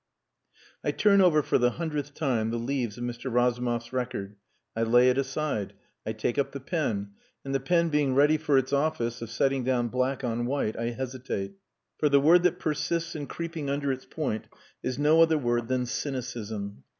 I turn over for the hundredth time the leaves of Mr. Razumov's record, I lay it aside, I take up the pen and the pen being ready for its office of setting down black on white I hesitate. For the word that persists in creeping under its point is no other word than "cynicism."